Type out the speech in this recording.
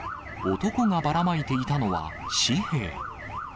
男がばらまいていたのは、紙幣。